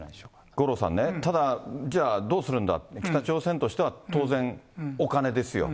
五郎さんね、ただ、じゃあ、どうするんだ、北朝鮮としては当然お金ですよ。